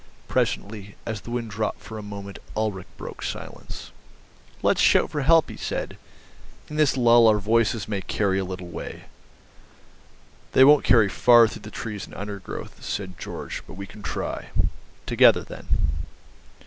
Presently, as the wind dropped for a moment, Ulrich broke silence. "Let's shout for help," he said, "in this lull our voices may carry a little way." "They won't carry far through the trees and undergrowth," said Georg, "but we can try. Together, then."